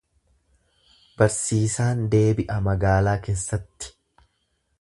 Barsiisaan deebi'a magaalaa keessatti.